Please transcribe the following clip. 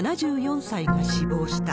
７４歳が死亡した。